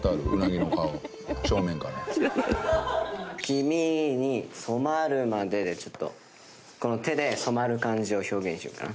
「キミに染まるまで」でちょっとこの手で染まる感じを表現しようかな。